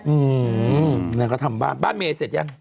อืมนางก็ทำบ้านบ้านเมย์เสร็จยัง